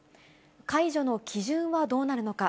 解除の基準はどうなるのか。